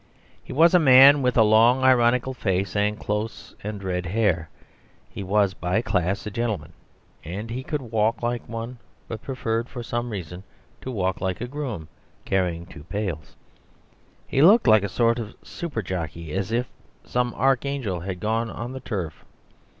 He was a man with a long, ironical face, and close and red hair; he was by class a gentleman, and could walk like one, but preferred, for some reason, to walk like a groom carrying two pails. He looked like a sort of Super jockey; as if some archangel had gone on the Turf.